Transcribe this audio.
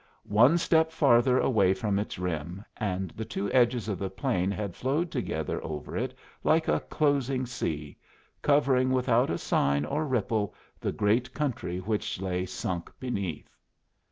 One step farther away from its rim, and the two edges of the plain had flowed together over it like a closing sea, covering without a sign or ripple the great country which lay sunk beneath.